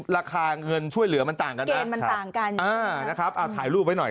ราคาเงินช่วยเหลือมันต่างกันนะเอ้าถ่ายรูปไว้หน่อย